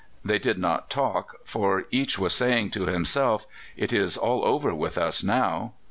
They did not talk, for each was saying to himself, "It is all over with us now."